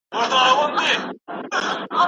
په داستان کې د پنځو سوو څخه زیات اتلان شته.